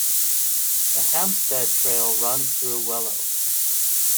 The Hamstead trail runs through Wellow.